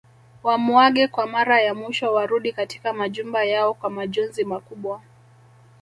Wamuage kwa Mara ya mwisho warudi katika majumba yao kwa majonzi makubwa